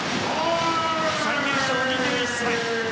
最年少２１歳。